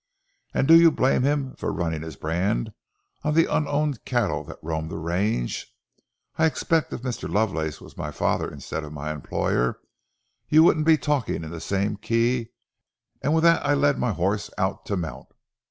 "And do you blame him for running his brand on the unowned cattle that roamed the range? I expect if Mr. Lovelace was my father instead of my employer, you wouldn't be talking in the same key," and with that I led my horse out to mount.